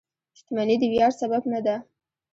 • شتمني د ویاړ سبب نه ده.